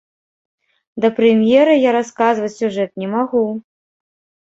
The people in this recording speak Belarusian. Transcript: Да прэм'еры я расказваць сюжэт не магу.